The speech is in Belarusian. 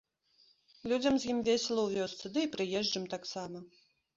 Людзям з ім весела ў вёсцы, ды і прыезджым таксама.